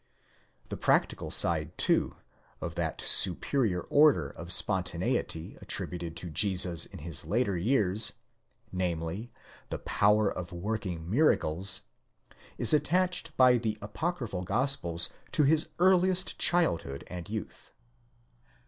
The practical side, too, of that superior order of spontaneity attributed to Jesus in his later years, namely, the power of working miracles, is attached by the apocryphal gospels to his earliest childhood and youth.